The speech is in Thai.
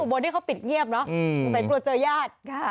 เอ๊ะบนที่เขาปิดเงียบเนอะอาจจะกลัวเจอญาติ